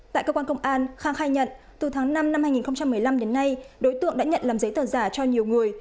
tại cơ quan công an khang khai nhận từ tháng năm năm hai nghìn một mươi năm đến nay đối tượng đã nhận làm giấy tờ giả cho nhiều người